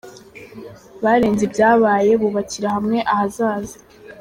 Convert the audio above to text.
Barenze ibyabaye bubakira hamwe ahazaza